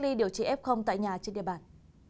ly điều trị f tại nhà trên địa bàn